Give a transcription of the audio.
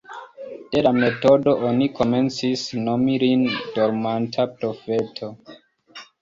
De la metodo oni komencis nomi lin dormanta profeto.